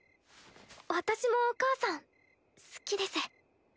私もお母さん好きです。